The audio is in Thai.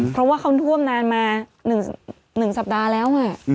เพราะว่าเขาท่วมนานมา๑สัปดาห์แล้ว